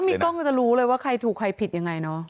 มีกล้องก็จะรู้เลยว่าใครถูกใครผิดยังไงเนอะ